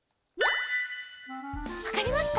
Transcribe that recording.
わかりますか？